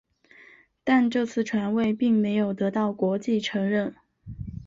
但这次传位并没有得到国际承认。